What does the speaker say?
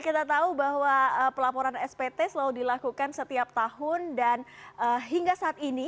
kita tahu bahwa pelaporan spt selalu dilakukan setiap tahun dan hingga saat ini